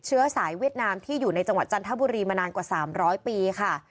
เชื้อสายเวียดนามที่อยู่ในจังหวัดจันทบุรีมานานกว่า๓๐๐ปีค่ะ